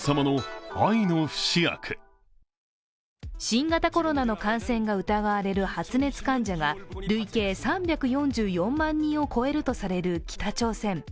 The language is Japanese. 新型コロナの感染が疑われる発熱患者が累計３４４万人を超えるとされる北朝鮮。